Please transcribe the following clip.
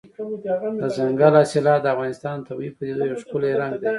دځنګل حاصلات د افغانستان د طبیعي پدیدو یو ښکلی رنګ دی.